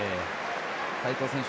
齋藤選手